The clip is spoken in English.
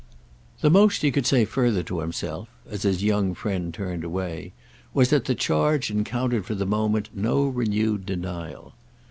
The most he could further say to himself—as his young friend turned away—was that the charge encountered for the moment no renewed denial.